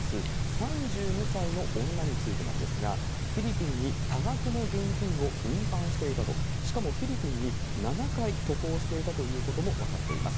３２歳の女についてなんですが、フィリピンに多額の現金を運搬していたと、しかも、フィリピンに７回渡航していたということも分かっています。